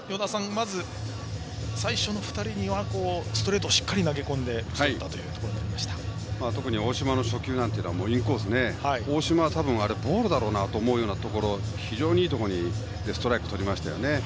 まず最初の２人にはストレートをしっかり投げ込んでいった特に大島への初球はインコースのボールボールだろうなと思うようなところ非常にいいところでストライクをとりましたよね。